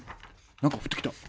何か降ってきた。